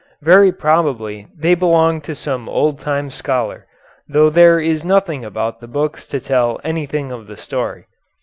Very probably they belonged to some old time scholar, though there is nothing about the books to tell anything of the story.